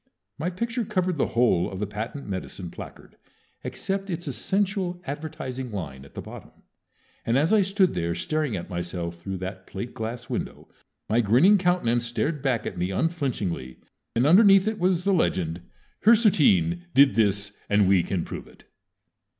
My picture covered the whole of the patent medicine placard except its essential advertising line at the bottom, and as I stood there staring at myself through that plate glass window my grinning countenance stared back at me unflinchingly, and underneath it was the legend, HIRSUTERINE DID THIS AND WE CAN PROVE IT.